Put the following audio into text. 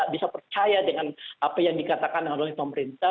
bisa percaya dengan apa yang dikatakan oleh pemerintah